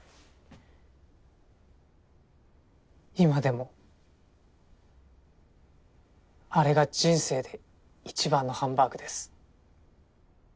今でもあれが人生で一番のハンバーグです。